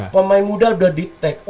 pemain muda sudah di tag